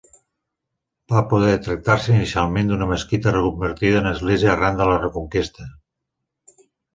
Va poder tractar-se inicialment d'una mesquita reconvertida en església arran de la Reconquesta.